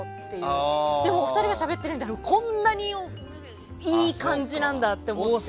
でも、お二人がしゃべってるのこんなにいい感じなんだって思って。